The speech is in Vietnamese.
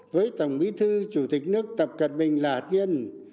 với tổng bí thư chủ tịch nước tập cận bình lạc nghiên